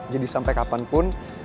jadi sampai kapanpun